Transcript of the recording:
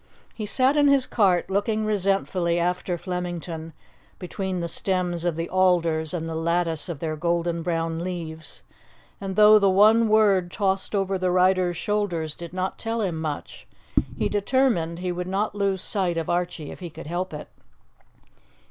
He sat in his cart looking resentfully after Flemington between the stems of the alders and the lattice of their golden brown leaves, and, though the one word tossed over the rider's shoulders did not tell him much, he determined he would not lose sight of Archie if he could help it.